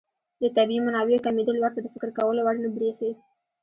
د طبیعي منابعو کمېدل ورته د فکر کولو وړ نه بريښي.